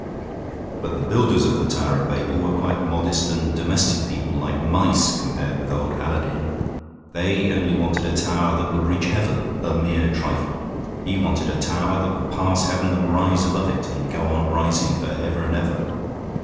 But the builders of the Tower of Babel were quite modest and domestic people, like mice, compared with old Aladdin. They only wanted a tower that would reach heaven a mere trifle. He wanted a tower that would pass heaven and rise above it, and go on rising for ever and ever.